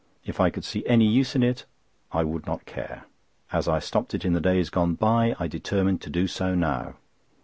If I could see any use in it, I would not care. As I stopped it in the days gone by, I determined to do so now.